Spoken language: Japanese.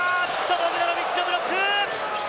ボグダノビッチのブロック！